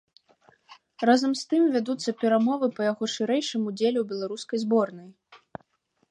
Разам з тым вядуцца перамовы па яго шырэйшым удзеле ў беларускай зборнай.